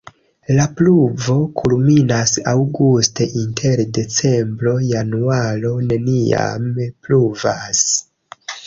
La pluvo kulminas aŭguste, inter decembro-januaro neniam pluvas.